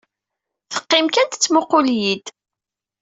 Teqqim kan tettmuqqul-iyi-d.